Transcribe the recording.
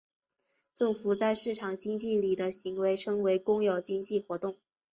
政府在市场经济里的行为称为公有经济活动。